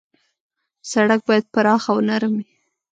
سړک باید پراخ او نرم وي.